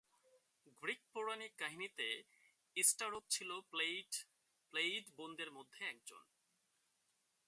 Greek পৌরাণিক কাহিনীতে Sterope ছিল প্লেইয়েড বোনদের মধ্যে একজন।